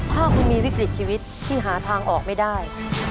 ถ้าคุณมีวิกฤตชีวิตที่หาทางออกไม่ได้